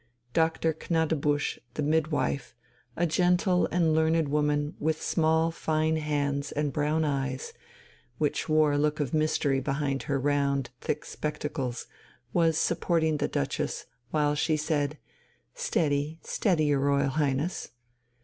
Doctor Gnadebusch, the midwife, a gentle and learned woman with small fine hands and brown eyes, which wore a look of mystery behind her round, thick spectacles, was supporting the Duchess, while she said: "Steady, steady, your Royal Highness....